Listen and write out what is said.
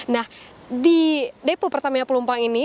nah di depo pertamina pelumpang ini